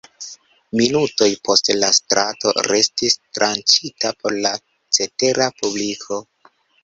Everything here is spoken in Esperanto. Minutoj poste la strato restis tranĉita por la cetera publiko.